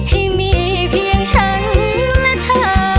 ให้เธอตอบรักฉันมา